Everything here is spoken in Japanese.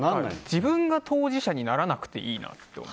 自分が当事者にならなくていいなと思う。